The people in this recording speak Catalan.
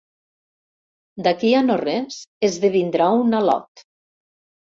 D'aquí a no res esdevindrà un al·lot.